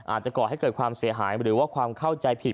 ก่อให้เกิดความเสียหายหรือว่าความเข้าใจผิด